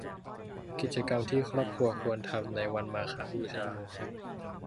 กิจกรรมที่ครอบครัวควรทำในวันมาฆบูชา